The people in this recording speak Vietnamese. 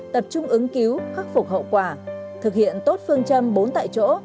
tập trung ứng cứu khắc phục hậu quả thực hiện tốt phương châm bốn tại chỗ